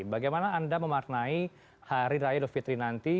bagaimana anda memaknai hari raya lufitri nanti